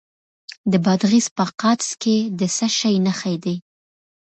د بادغیس په قادس کې د څه شي نښې دي؟